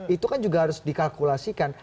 itu kan juga harus dikalkulasikan